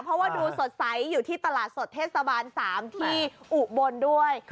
เพราะว่าดูสดใสอยู่ที่ตลาดสดเทศบาล๓ที่อุบลด้วย